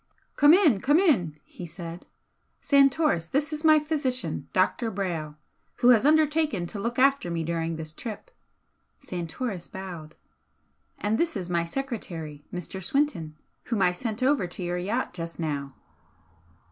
"Come in, come in!" he said "Santoris, this is my physician, Dr. Brayle, who has undertaken to look after me during this trip," Santoris bowed "And this is my secretary, Mr. Swinton, whom I sent over to your yacht just now."